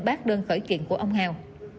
bác đơn khởi kiện của ông hào